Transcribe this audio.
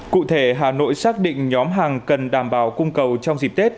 cụ thể hà nội xác định nhóm hàng cần đảm bảo cung cầu trong dịp tết